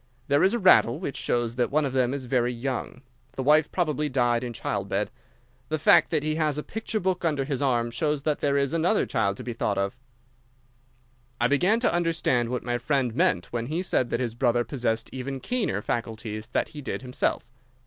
There is a rattle, which shows that one of them is very young. The wife probably died in childbed. The fact that he has a picture book under his arm shows that there is another child to be thought of." I began to understand what my friend meant when he said that his brother possessed even keener faculties that he did himself.